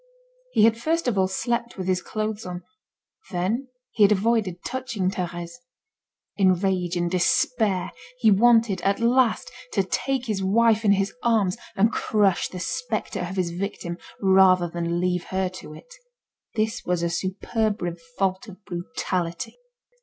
He had first of all slept with his clothes on, then he had avoided touching Thérèse. In rage and despair, he wanted, at last, to take his wife in his arms, and crush the spectre of his victim rather than leave her to it. This was a superb revolt of brutality.